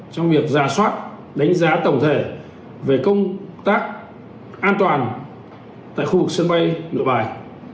trong việc giả soát đánh giá tổng thể về công tác an toàn tại khu vực sân bay nội bài